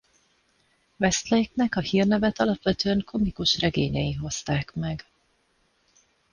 Westlake-nek a hírnevet alapvetően komikus regényei hozták meg.